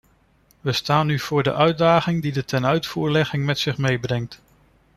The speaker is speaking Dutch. We staan nu voor de uitdaging die de tenuitvoerlegging met zich meebrengt.